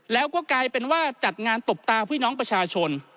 แล้วก็กลายเป็นว่าจัดงานตบตาพี่น้องประชาชน